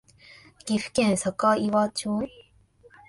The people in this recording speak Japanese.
岐阜県坂祝町